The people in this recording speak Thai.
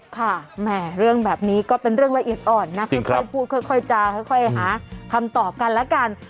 ค่ะแหมเรื่องแบบนี้ก็เป็นเรื่องละเอียดอ่อนนะค่อยค่อยพูดค่อยค่อยจาค่อยค่อยหาคำตอบกันละกัน